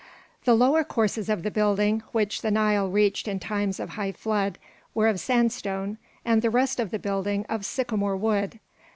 The lower courses of the building, which the Nile reached in times of high flood, were of sandstone, and the rest of the building of sycamore wood.